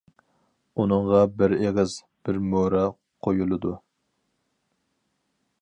ئۇنىڭغا بىر ئېغىز، بىر مورا قويۇلىدۇ.